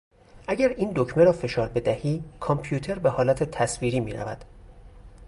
اگر این دکمه را فشار بدهی کامپیوتر به حالت تصویری میرود.